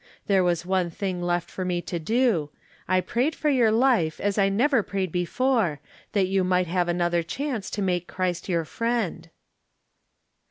There was one thing left for me to do : I prayed for yotir life as I never prayed before, that you might have another chance to make Christ your Friend."